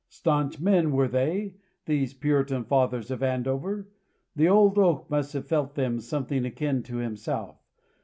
Staunch men were they these Puritan fathers of Andover. The old oak must have felt them something akin to himself.